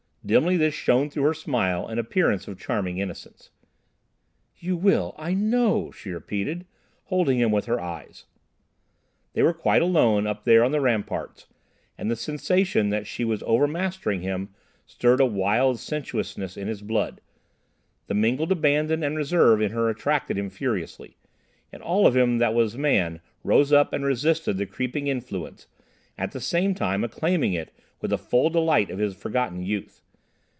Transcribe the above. Dimly this shone through her smile and appearance of charming innocence. "You will, I know," she repeated, holding him with her eyes. They were quite alone up there on the ramparts, and the sensation that she was overmastering him stirred a wild sensuousness in his blood. The mingled abandon and reserve in her attracted him furiously, and all of him that was man rose up and resisted the creeping influence, at the same time acclaiming it with the full delight of his forgotten youth.